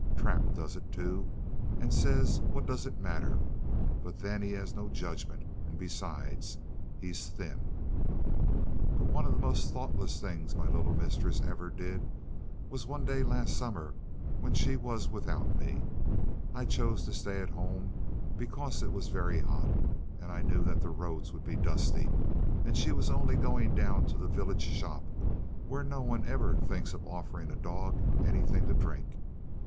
Trap does it too, and says what does it matter? but then he has no judgment, and, besides, he's thin. But one of the most thoughtless things my little mistress ever did was one day last summer when she was out without me. I chose to stay at home because it was very hot, and I knew that the roads would be dusty; and she was only going down to the village shop, where no one ever thinks of offering a dog anything to drink.